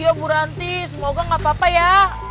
iya bu ranti semoga gak apa apa ya